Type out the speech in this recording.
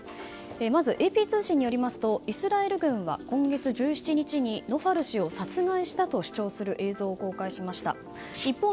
まずＡＰ通信によりますとイスラエル軍は今月１７日にノファル氏を殺害したと主張する映像を公開しました。